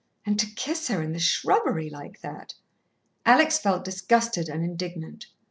"And to kiss her in the shrubbery like that!" Alex felt disgusted and indignant.